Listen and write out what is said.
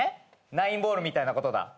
ナインボールみたいなことだ。